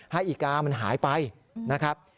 อีกามันหายไปนะครับ